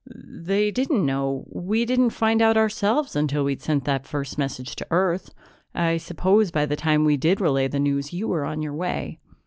"They didn't know. We didn't find out ourselves until we'd sent that first message to Earth. I suppose by the time we did relay the news, you were on your way."